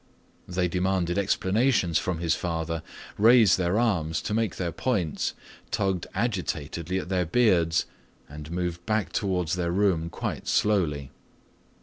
They demanded explanations from his father, raised their arms to make their points, tugged agitatedly at their beards, and moved back towards their room quite slowly.